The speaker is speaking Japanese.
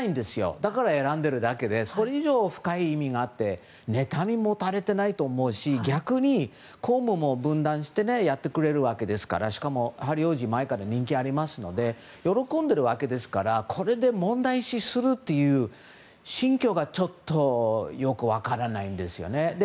だから選んでいるだけでそれ以上深い意味があって妬みを持たれてないと思うし逆に公務も分担してやってくれるわけですからしかもヘンリー王子は前から人気があるので喜んでますからこれで問題視するという心境がちょっとよく分からないんですね。